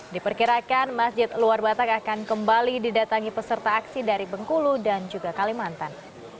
diperkirakan masjid luar batak akan kembali didatangi peserta aksi dari bengkulu dan juga kalimantan